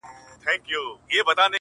• له هغه ځایه را کوز پر یوه بام سو ,